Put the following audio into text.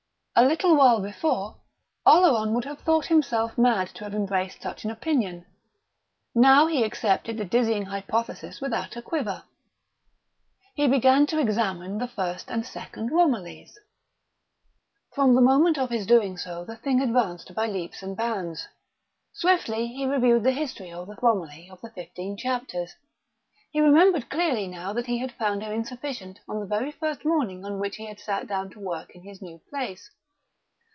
A little while before Oleron would have thought himself mad to have embraced such an opinion; now he accepted the dizzying hypothesis without a quiver. He began to examine the first and second Romillys. From the moment of his doing so the thing advanced by leaps and bounds. Swiftly he reviewed the history of the Romilly of the fifteen chapters. He remembered clearly now that he had found her insufficient on the very first morning on which he had sat down to work in his new place.